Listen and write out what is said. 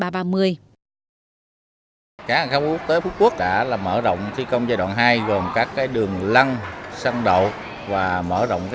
cảng hàng không quốc tế phú quốc đã mở rộng thi công giai đoạn hai gồm các đường lăng săn đậu và mở rộng nhà ga